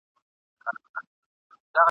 پر منبر یې نن ویله چي غلام به وي مختوری ..